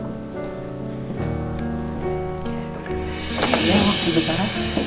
udah ya waktu besar